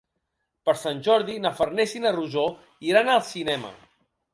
Per Sant Jordi na Farners i na Rosó iran al cinema.